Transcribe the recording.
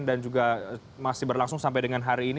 dan juga masih berlangsung sampai dengan hari ini